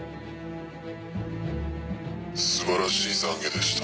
素晴らしい懺悔でした。